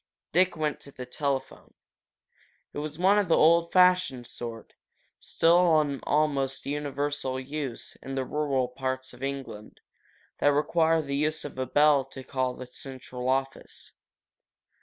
Dick went to the telephone. It was one of the old fashioned sort, still in almost universal use in the rural parts of England, that require the use of a bell to call the central office.